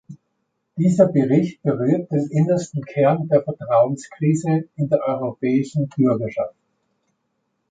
Dieser Bericht berührt den innersten Kern der Vertrauenskrise in der europäischen Bürgerschaft.